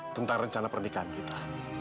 tentang rencana pernikahan kita